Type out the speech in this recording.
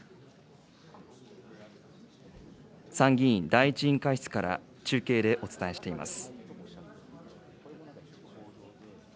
参議院第１委員会室から中継でお伝えしています。